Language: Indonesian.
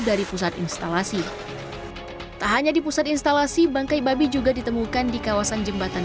dari pusat instalasi tak hanya di pusat instalasi bangkai babi juga ditemukan di kawasan jembatan